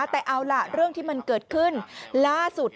แต่เอาล่ะเรื่องที่มันเกิดขึ้นล่าสุด